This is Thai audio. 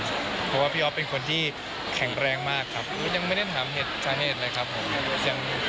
เพราะว่าพี่อ๊อฟเป็นคนที่แข็งแรงมากครับยังไม่ได้ถามสาเหตุเลยครับผม